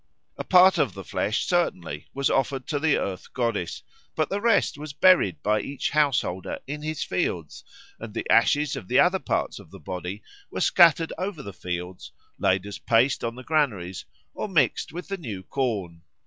A part of the flesh certainly was offered to the Earth Goddess, but the rest was buried by each householder in his fields, and the ashes of the other parts of the body were scattered over the fields, laid as paste on the granaries, or mixed with the new corn.